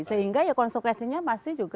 sehingga konsekuensinya pasti juga